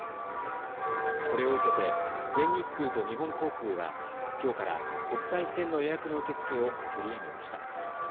これを受けて全日空と日本航空はきょうから国際線の予約の受け付けを取りやめました。